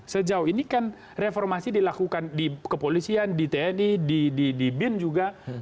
sejauh ini kan reformasi dilakukan di kepolisian di tni di bin juga